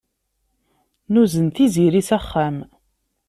Nuzen Tiziri s axxam.